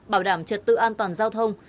bảo đảm trật tự an toàn giao thông